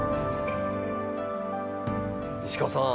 西川さん